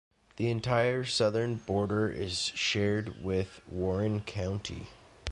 The entire southern border is shared with Warren County.